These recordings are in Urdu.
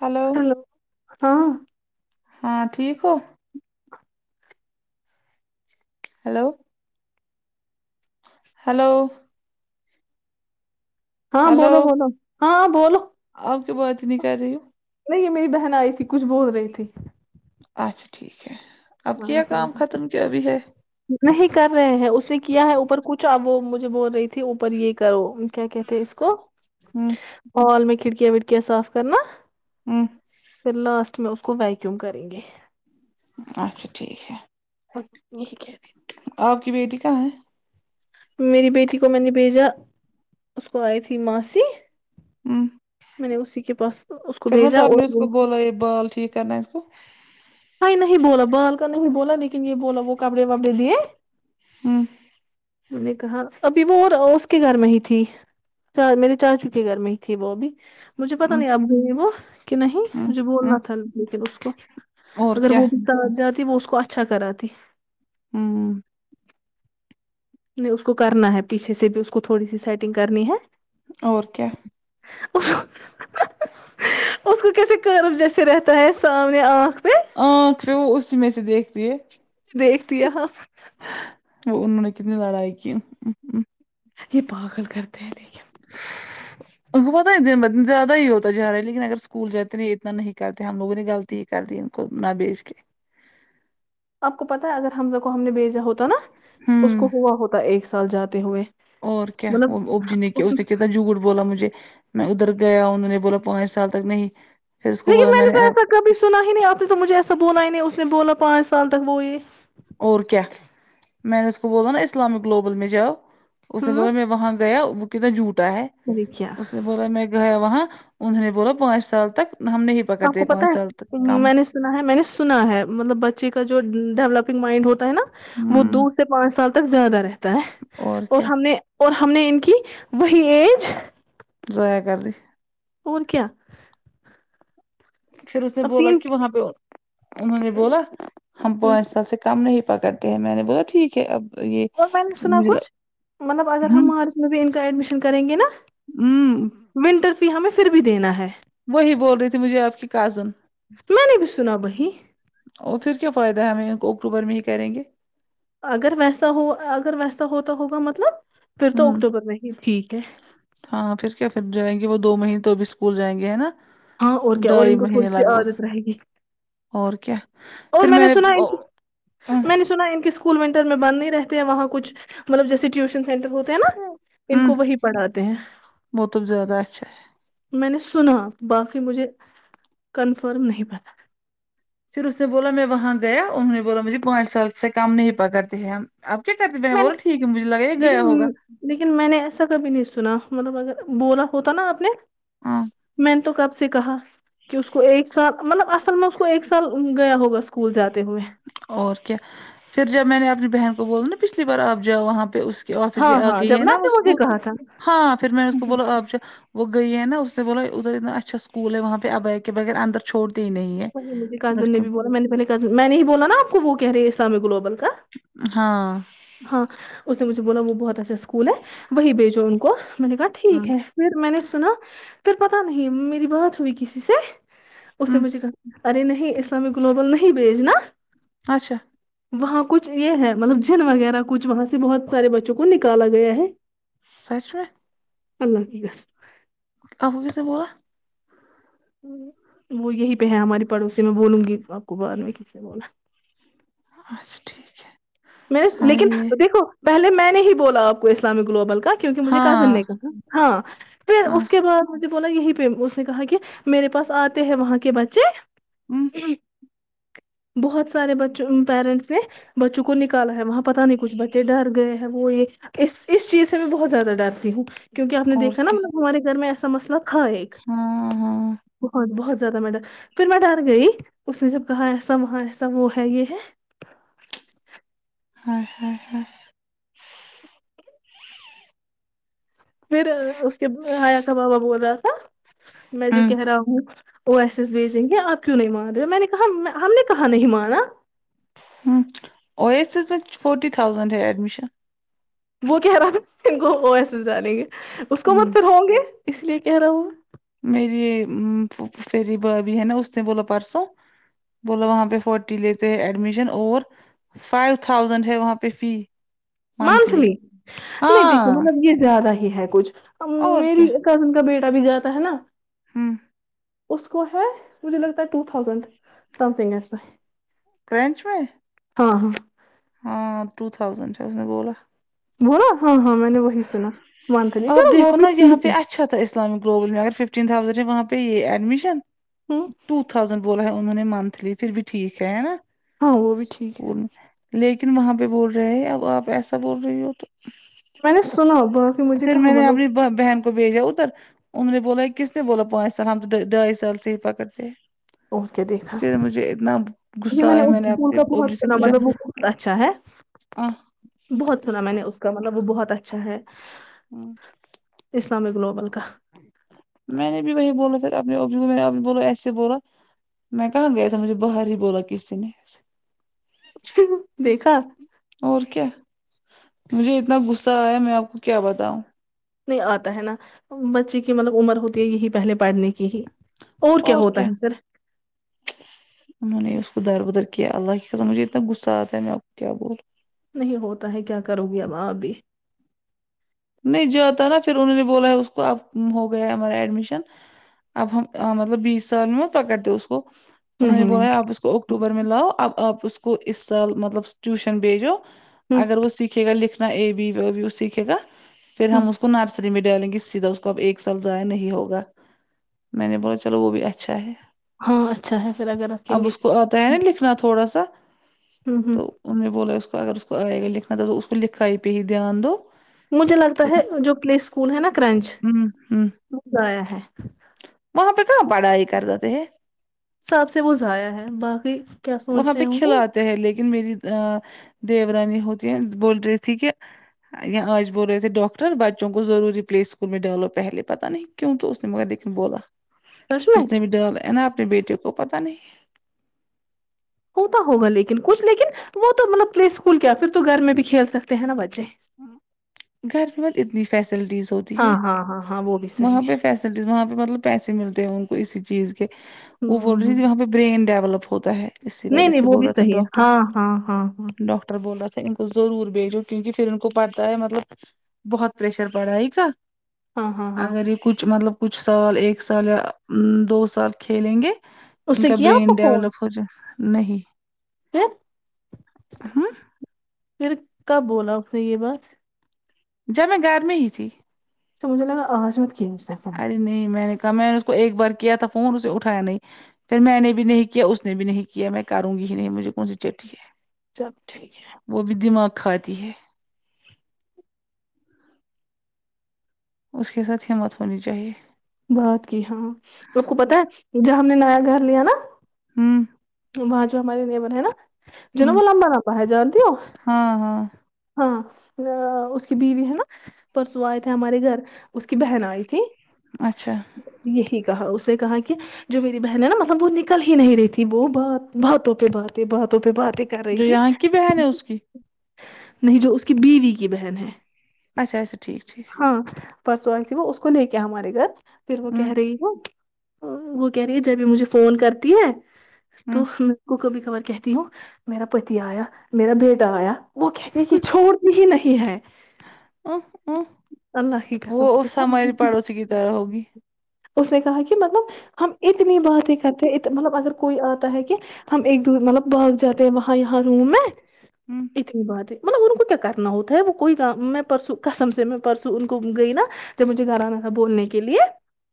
ہلو ہیلو ہاں ہاں ٹھیک ہو ہیلو ہیلو ہاں ہلو بولو بولو ہاں بولو آپ کی بات ہی نہیں کر رہی ہو نہیں یہ میری بہن آئی تھی کچھ بول رہی تھی اچھا ٹھیک ہے اب ہاں کیا ہاں کام ختم کیا ابھی ہے نہیں کر رہے ہیں اس نے کیا ہے اوپر کچھ اب وہ مجھے بول رہی تھی اوپر یہ کرو کیا کہتے ہیں اس کو ہوں مال میں کھڑکیاں وڑکیا صاف کرنا ہوں پھر لاسٹ میں اس کو ویکیوم کریں گے اچھا ٹھیک ہے [unintelligible] آپ کی بیٹی کہاں ہے میری بیٹی کو میں نے بھیجا اس کو آئی تھی ماسی ہوں میں نے اسی کے پاس اس کو پھر مت بھیجا آپ نے اس اور کو بولا یہ بال ٹھیک کرنا ہے اس کو کوئی نہیں بولا بالکنی بولا لیکن یہ بولا وہ کپڑے وپڑے دیے ہمم میں نے کہا ابھی اور وہ اس کے گھر میں ہی تھی میرے چاچو کے گھر میں ہی تھی وہ بھی مجھے پتہ ہوں نہیں اب وہ کہ نہیں ہوں مجھے ہوں بولنا تھا لیکن اس کو اور اگر کیا وہ ترس جاتی وہ اس کو اچھا کراتی ہمم نہیں اس کو کرنا ہے پیچھے سے بھی اس کو تھوڑی سی سیٹنگ کرنی ہے اور کیا اس آ اس کو کیسے کرو جیسے رہتا ہے سامنے آنکھ پہ آ خر وہ اسی میں سے دیکھتی ہے دیکھتی ہے ہاں وہ ان نے اتنی لڑائی کی ہ ہ یہ پاگل کرتے ہیں لیکن ان کو پتا نہں زیادہ ہی ہوتا جا رہا ہے لیکن اگر اسکول جاتے نا یہ اتنا نہیں کرتے ہم لوگوں نے غلط ہی کر دی تمنہ بیچ کے آپ کو پتا ہے اگر حمزہ کو ہم نے بھیجا ہوتا نا اس کو ہوں ہوا ہوتا ایک سال جاتے ہوئے اور کیا مطلب اب جی نے کیا اس اسے کیا تھا جھوٹ بولا مجھے میں ادھر گیا انہوں نے بولا پانچ سال تک نہیں پھر اس کو بولا میں نے ایسا آپ- کبھی سنا ہی نہیں آپ نے تو مجھے ایسا بولا ہی نہیں اس نے بولا پانچ سال تک وہ یہ اور کیا میں نے اس کو بولا نا اسلامک گلوبل میں جاؤ اس نے بولا میں وہاں گیا وہ کتنا جھوٹا ہے پھر کیا اس نے بولا میں گیا وہاں انہوں نے بولا پانچ سال تک ہم نے تو آپ کو پتا ہے میں نے سنا ہے میں نے سنا ہے مطلب بچے کا جو ڈیولپ مائنڈ ہوتا ہے نا وہ ہوں دو سے پانچ سال تک زیادہ رہتا ہے اور ہم نے اور ہم نے ان کی وہی ایج زویا کر دی اور کیا پھر اس نے اب بولا تین کہ وہاں پہ انہوں نے بولا ہم پانچ اور سال سے کم نہیں پا کرتے ہیں میں نے بولا ٹھیک ہے اب یہ اور میں نے سنا مجھے کچھ لگ- مطلب اگر ہم ہوں مارچ میں بھی ان کا ایڈمیشن کریں گے نا ہوں ونٹر فی ہمیں پھر بھی دینا ہے وہی بول رہی تھی مجھے آپ کی کازن میں نے بھی سنا وہی اور پھر کیا فائدہ ہے ہمیں ان کو اکٹوبر میں ہی کریں گے اگر ویسا ہو اگر ویسا ہوتا ہوگا مطلب پھر تو ہوں اکتوبر میں ہی ٹھیک ہے ہاں پھر کیا پھر جائیں گے وہ دو مہینے تو اب اسکول جائیں گے ہے نا ہاں اور کیا اور ڈھائی ان کو تھوڑی مہینے سی لگ بھگ عادت رہے گی اور کیا اور میں نے سنا ان میں نے سنا ان کی اسکول ونٹر میں بند نہیں رہتے ہیں وہاں کچھ مطلب جیسے ٹیوشن سینٹر ہو ہیں نا ان ہوں کو وہی پڑھاتے ہیں وہ تو زیادہ اچھا ہے میں نے سنا باقی مجھے کنفرم نہیں پتا پھر اس نے بولا میں وہاں گیا انہوں نے بولا مجھے پانچ سال سے کم نہیں پکڑتے ہیں ہم اب کیا کرتے میں نے بول رہی ٹھیک ہے مجھے لگا یہ گیا لیکن ہوگا لیکن میں نے ایسا کبھی نہیں سنا مطلب اگر بولا ہوتا نا آپ نے ہاں میں نے تو کب سے کہا کہ اس کو ایک سال مطلب اصل میں اس کو ایک سال گیا ہوگا اسکول جاتے ہوئے اور کیا پھر جب میں نے اپنی بہن کو بول نا پچھلی بار آپ جاؤ وہاں پہ اس آفس ہاں کے آ ہاں گے ہے جب نا آپ نے مجھے اسکول کہا تھا ہاں پھر میں اس کو بولا آپ جا وہ گئی ہے نا اس نے بولا ادھر اتنا اچھا اسکول ہے وہاں پہ اباک کے بغیر اندر چھوڑتے ہی نہیں ہے وہی مجھے کزن نے لڑکیوں بھی کو بولا میں نے پہلے میں نے ہی بولا نا آپ کو وہ کہہ رہے اسلامک گلوبل کا ہاں ہاں اس نے مجھے بولا وہ بہت اچھا اسکول ہے وہی بھیجو ان کو میں نے کہا ہاں ٹھیک ہے پھر میں نے سنا پھر پتا نہیں میری بات ہوئی کسی سے اس نے ہوں مجھے کہا ارے نہیں اسلامک گلوبل نہیں بیجھنا اچھا وہاں کچھ یہ ہے مطلب جن وغیرہ کچھ وہاں سے بہت سارے بچوں کو نکالا گیا ہے [inaudible] سچ میں اللہ کی قسم آپ کو کس نے بولا وہ یہی پہ ہے ہماری پڑوسی میں بولوں گی آپ کو بعد میں کس نے بولا اچھا ٹھیک ہے مس ہائے لیکن ہائے دیکھو پہلے میں نے ہی بولا آپ کو اسلامک گلوبل کا کیونکہ مجھے کازن ہاں نے کہا ہاں پھر ہاں اس کے بعد مجھے بولا یہی پہ اس نے کہا کہ میرے پاس آتے ہیں وہاں کے بچے ہوں اے بہت سارے بچو پیرنٹس نے بچوں کو نکال کالا ہے وہاں پتا نہیں کچھ بچے ڈر گئے ہیں وہ یہ اس اس چیز سے میں بہت زیادہ ڈرتی ہوں کیونکہ آپ نے اور دیکھا ناں کیا مطلب ہمارے گھر میں ایسا مسئلہ ہاں ایک ہاں ہاں بہت بہت زیادہ میں ڈر پھر میں ڈر گئی اس نے جب کہا ایسا وہاں ایسا وہ ہے یہ ہے آئے ہائے ہائے پھر اس کے آیا تھا بابا بول رہا تھا میں جو کہہ رہا ہوں او ایس ایس بھیجیں گے آپ کیوں نہیں مان رہے ہو میں نے کہا ہم نے کہاں نہیں مانا ہوں او ایس ایس میں فوٹی تھاؤزنڈ ہے ایڈمیشن وہ کہہ رہا تھا ان کو او ایس ایس ڈالیں گے اس کو مت پھر ہوں گے اس لیے کہہ رہا ہو میری فیری بابی ہے ناں اس نے بولا پرسوں بولا وہاں پہ فورٹی لیتے ہیں ایڈمیشن اور فائیو تھاؤزینڈ ہے وہاں پہ فی منتھلی مانسلی نہیں دیکھو ہاں مطلب یہ زیادہ ہے ہی ہے کچھ اور کیا میری کزن کا بیٹا بھی جاتا ہے ناں ہوں اس کو ہے مجھے لگتا ہے ٹو تھاؤزینڈ سم تھنگ ایسا ہی کرنچ میں ہاں ہاں ہاں ٹو تھاؤزنڈ ہے اس نے بولا بولا ہاں ہاں میں نے وہی سنا منتھلی چلو آپ وہ دیکھو بھی نا یہاں ٹھیک ہے پہ اچھا تھا اسلامک گوبل میں اگر ففٹین تھاؤزنڈ ہے وہاں پہ یہ ایڈمیشن ہے ٹو تھاؤزڈ بولا ہے انہوں نے منتھلی پھر بھی ٹھیک ہے ہے ناں ہاں وہ بھی ٹھیک ہے لیکن وہاں پہ بول رہے ہیں اب آپ ایسا بول رہی ہو تو میں نے سنا ب پھر میر نے اپنی بآ بہن کو بھیجا ادھر انوں نے بولا کس نے بولا پانچ سال ہم تو ڈھائی سال سے ہی پکڑتے اور کیا دیکھا پھر مجھے اتنا جی غصہ آیا میں اس نے اسکول اپنے کا بہت اوجی سے سنا پوچھا مطلب وہ بہت اچھا ہے آہ بہت سنا میں نے اس کا مطلب وہ بہت اچھا ہے آہ اسلامک گلوبل کا میں نے بھی وہی بولا پھر اپنے اب کو میں نے بولا ایسے بولا میں کہاں گیا تھا مجھے باہر ہی بولا کسی نے دیکھا اور کیا مجھے اتنا غصہ آیا میں آپ کو کیا بتاؤں نہیں آتا ہے ناں بچے کی مطلب عمر ہوتی ہے یہی پہلے پڑھنے کی ہی اور ہوتا کیا ہے پھر ان ہو نے اس کو در بدر کیا اللہ کی قسم مجھے اتنا غصہ آتا ہے میں آپ کو کیا بولوں نہیں ہوتا ہے کیا کروگی اب آپ بھی نہیں جاتا ناں پھر انہوں نے بولا اس کو اب ہوگیا ہمارا ایڈمیشن اب ہم مطلب بیس سال میں پکڑتے اس کو انہوں نے نہیں نہیں بولا آپ اس کو اکٹوبر میں لاؤ اب آپ اس کو اس سال مطلب ٹیوشن بھیجو اگر ہ وہ سیکھے گا لکھنا اے بی بھی وہ سیکھے گا پھر ہ ہم اس کو نرسری میں ڈالیں گے سیدھا اس کو اب ایک سال ضائع نہیں ہوگا میں نے بولا چلو وہ بھی اچھا ہے ہاں اچھا ہے پھر اگر رکھیں گے اپنا تھوڑا سا ہ ہ تو ان نے بولا اس کو اگر اس کو آئے گا لکھنا تھا تو اس کو لکھاائی پہ ہی دھیان دو مجھے لگتا ہے جو پلیث اسکول ہے نا کرنچ ہوں ہوں مز آیا ہے وہاں پہ کہاں پڑھائی کر دیے ہیں ساب سے وہ ضائع ہے باقی کیا وہاں سوچ رہے پہ ہوں گے کھلاتے ہیں لیکن میری دیورانی ہوتی ہے بول رہی تھی کہ یا آج بول رہے تھے ڈاکر بچوں کو ضروری پلیس اسکول میں ڈالو پہلے پتہ نہیں کیوں تو اس نے مگر دیکھنے بولا سچ میں اس نے بھی ڈالا ہے نا اپنے بیٹے کو پتا نہیں ہوتا ہوگا لیکن کچھ لیکن وہ تو مطلب پلے اسکول کیا پھر تو گھر میں بھی کھیل سکتے ہیں نا بچے گھر میں کتنی فیسلٹیز ہوتی ہے ہاں ہاں ہاں ہاں وہ بھی وہاں صحیح پہ ہے وہاں پہ مطلب پیسے ملتے ہیں ان کو اسی چیز کے وہ بول ہوں رہی ہ تھی وہاں پہ برین ڈیولپ ہو ہوتا ہے اسی نہیں وجہ نہیں سے وہ بول بھی رہا تھا صحیح ہے ڈاکٹر ہاں ہاں ہاں ہاں ڈاکٹر بولا تھا ان کو ضرور بھیجو کیونکہ پھر ان کو پڑھتا ہے مطلب بہت پریشر پڑھائی کا ہاں ہاں ہاں اگر یہ کچھ مطلب کچھ سال ایک سال یا دو سال کھیلیں گے اس ان نے کا کیا آپ برین کو فون ڈیولپ ہو جائے نہیں پھر ہو پھر کب بولا اس نے یہ بات جب میں گھر میں ہی تھی تو مجھے لگا آج مت کی اسنے فون ارے نہیں میں نے کہا میں نے اس کو ایک بار کیا تھا فون اسے اٹھایا نہیں پھر میں نے بھی نہیں کیا اس نے بھی نہیں کیا میں کروں گی ہی نہیں مجھے کون سی چٹھی ہے سب ٹھیک ہے وہ بھی دماغ کھاتی ہے اس کے ساتھ ہمت ہونی چاہیے بات کی ہاں آپ کو پتا ہے جب ہم نے نیا گھر لیا نا ہوں وہاں جو ہمارے دیور ہے نا جو نا ہوں وہ لمبا لمبا ہے جانتی ہو ہاں ہاں ہاں اس کی بیوی ہے نا پرسو آئے تھے ہمارے گھر اس کی بہن آئی تھی اچھا یہی کہا اس نے کہا کہ جو میری بہن ہے نا مطلب وہ نکل ہی نہیں رہی تھی وہ بات باتوں پہ باتیں باتوں پہ باتیں کر رہی جو تھی یہاں کی بہن ہے اس کی نہیں جو اس کی بیوی کی بہن ہے اچھا اچھا ٹھیک ٹھیک ہاں پرسوں وہ اس کو نہیں کیا ہمارے گھر پھر وہ ہوں کہہ رہی وہ وہ کہہ رہی ہے جب یہ مجھے فون کرتی ہے ہوں تو میں کو کبھی کبھار کہتی ہوں میرا پتی آیا میرا بیٹا آیا وہ کہتے کہ چھوڑ بھی ہی نہیں ہے اوں اوں اللہ کی قسم سے اس وہ ہماری پڑوسی کی طرح ہوگی اس نے کہا کہ مطلب ہم اتنی بات ہی کرتے مطلب اگر کوئی آتا ہے کہ ہم ایک د مطلب بھاگ جاتے ہیں وہاں یہاں روم میں ہوں اتنی بات ہے مطلب ان کو کیا کرنا ہوتا ہے وہ کوئی کا میں پرسوں کسم سے میں پرسوں ان کو گئی نا جب مجھے گھر آنا تھا بولنے کے لیے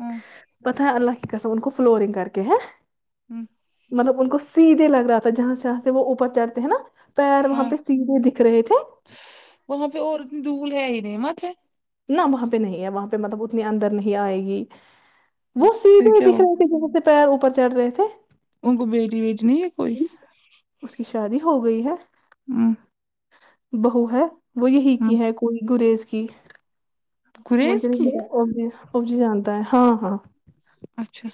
ہوں پتہ ہے اللہ کی قسم ان کو فلورنگ کر کے ہیں ہم مطلب ان کو سیدھے لگ رہا تھا جہاں سے جہاں سے وہ اوپر چڑھتے ہیں نا پیر وہاں ہاں پہ سیدھے دکھ رہے تھے وہاں پہ اور دھول ہے ہی نہیں نمت ہے نہ وہاں پہ نہیں ہے وہاں پہ مطلب اتنی اندر نہیں آئے گی وہ پھر سیدھے کیا ہو دکھ رہے تھے جسے سے پیر اوپر چڑھ رہے تھے ان کو بیٹی ویٹینی نہیں ہے کوئی اس کی شادی ہو گئی ہے ہم بہو ہے وہ یہی ہوں کی ہے کوئی گریز کی مجھ گریز [unintelligible] کی ابجی جتا ہے ہاں ہاں اچھا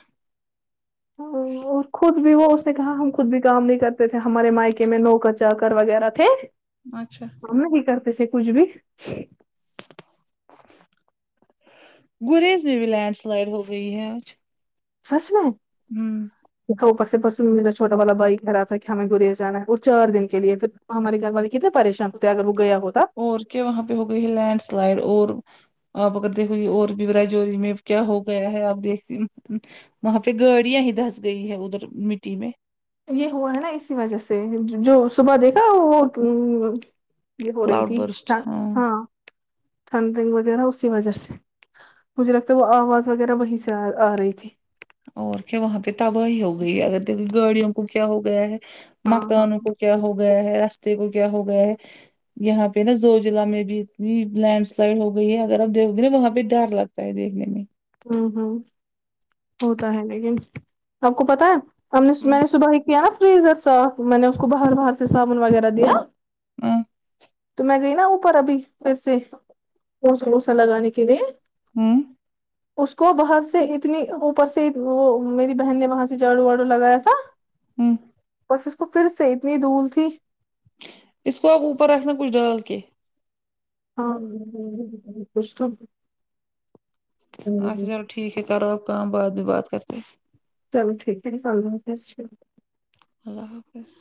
ہوں اور خود بھی وہ اس نے کہا ہم خود بھی کام نہیں کرتے تھے ہمارے میکے میں نوکر چاکر وغیرہ تھے اچھا ہم نہیں کرتے تھے کچھ بھی گریز میں بھی لینڈ سلائڈ ہو گئی ہے آج سچ میں ہوں اوپر سے پرسوں میرا چھوٹا والا بھائی کہہ رہا تھا کہ ہمیں گوریا جانا ہے اور چار دن کے لیے پھر وہ ہمارے گھر والے کتنے پریشان ہوتے ہیں اگر وہ گیا ہوتا اور کیا وہاں پہ ہو گئی ہے لینڈ سلائڈ اور آپ اگر دیکھو گے اور بھی ریچور میں کیا ہو گیا ہے آپ دیکھتی نا وہاں پہ گاڑیاں ہی دھس گئی ہے ادھر مٹی میں یہ ہوا ہے نا اسی وجہ سے جو صبح دیکھا وہ یہ ہو رہی کلاؤڈ تھی برسٹ ہ ہاں تھٹنڈ رنگ وغیرہ اسی وجہ سے مجھے لگتا ہے وہ آواز وغیرہ وہی سے آ رہی تھی اور کیا وہاں پہ تباہی ہو گئی ہے اگر دیکھے گاڑیوں کو کیا ہو گیا ہے ہاں ہاں مکانوں کو کیا ہو گیا ہے راستے کو کیا ہو گیا ہے یہاں پہ نا زوجضلع میں بھی اتنی لینڈ سلائڈ ہو گئی ہے اگر آپ دیکھو گے نا وہاں پہ ڈر لگ فائدے میں نہیں ہاں ہاں ہوتا ہے لیکن آپ کو پتا ہے ہم نے ہوں میں نے صبح ہی پی [unintelligible] صاف میں نے اس کو باہر باہر سے صابن وغیرہ دیا ہاں تو میں گئی نا اوپر ابھی پھر سے اوسہ ووسا لگانے کے لیے ہوں اس کو باہر سے اتنی اوپر سے وہ میری بہن نے وہاں سے جاڑو واڑو لگایا تھا ہوں بس اس کو پھر سے اتنی دھول تھی اس کو اب اوپر رکھنا کچھ ڈال کے آ ہم کچھ توہ اچھا چلو ٹھیک ہے کرو آپ کام بعد میں بات کرتے چلو ٹھیک ہے اللہ حافظ چے اللہ حافظ